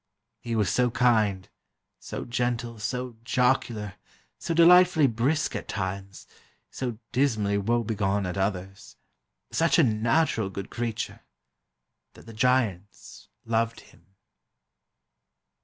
He was so kind, so gentle, so jocular, so delightfully brisk at times, so dismally woe begone at others, such a natural good creature, that the Giants loved him."